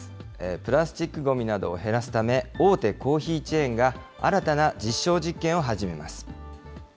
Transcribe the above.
プラスチックごみなどを減らすため、大手コーヒーチェーンが新たな実証実験を始めます。